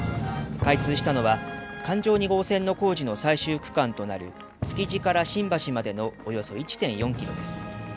開通したのは環状２号線の工事の最終区間となる築地から新橋までのおよそ１．４キロです。